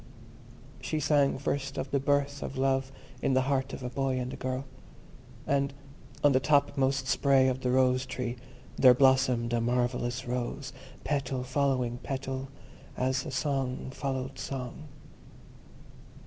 She sang first of the birth of love in the heart of a boy and a girl. And on the top most spray of the Rose tree there blossomed a marvellous rose, petal following petal, as song followed song.